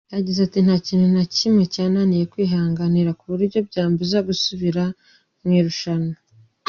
Yagize ati “Nta kintu na kimwe cyananiye kwihanganira ku buryo byambuza gusubira mu irushanwa.